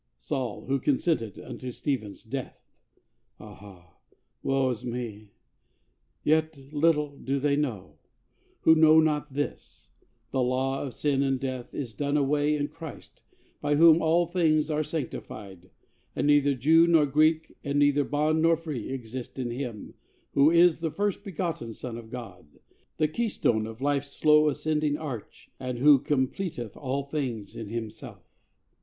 Saul who consented unto Stephen's death! Ah, woe is me! Yet little do they know, Who know not this: the law of sin and death Is done away in Christ, by Whom all things Are sanctified; and neither Jew nor Greek, And neither bond nor free, exist in Him Who is the First Begotten Son of God, The Keystone of life's slow ascending arch, And Who completeth all things in Himself.